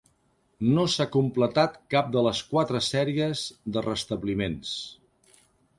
No s'ha completat cap de les quatre sèries de restabliments.